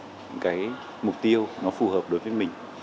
những cái mục tiêu nó phù hợp đối với mình